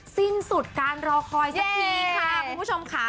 สิ้นสุดการรอคอยสักทีค่ะคุณผู้ชมค่ะ